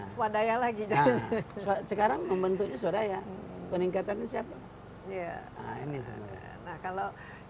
sekarang membentuknya suraya peningkatannya siapa